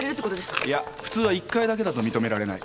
いや普通は１回だけだと認められない。